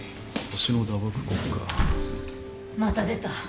・また出た。